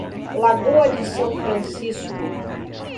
Lagoa de São Francisco